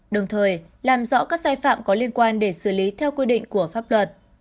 đồng thời làm rõ các sai phạm có liên quan để xử lý theo quy định của pháp luật